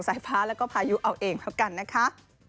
สายพร้าและพายุเอาเองกันนะคะ